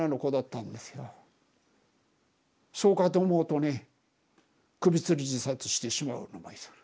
そうかと思うとね首つり自殺してしまうのがいる。